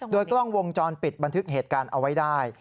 โดยกล้องวงจรปิดบันทึกเหตุการณ์เอาไว้ได้